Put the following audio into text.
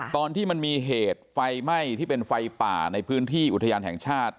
ตอนที่มันมีเหตุไฟไหม้ที่เป็นไฟป่าในพื้นที่อุทยานแห่งชาติ